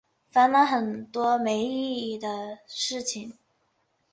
烦恼很多没意思的事情